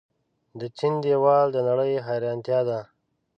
د چین دیوال د نړۍ حیرانتیا ده.